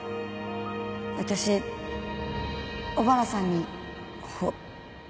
私小原さんにほ。